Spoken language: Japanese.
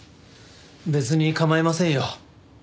別に構いませんよ。